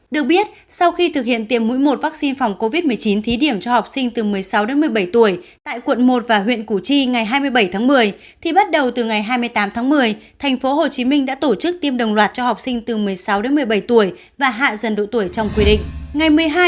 được biết sau khi thực hiện tiêm mũi một vaccine phòng covid một mươi chín thí điểm cho học sinh từ một mươi sáu đến một mươi bảy tuổi tại quận một và huyện củ chi ngày hai mươi bảy tháng một mươi thì bắt đầu từ ngày hai mươi tám tháng một mươi tp hcm đã tổ chức tiêm đồng loạt cho học sinh từ một mươi sáu đến một mươi bảy tuổi và hạ dần độ tuổi trong quy định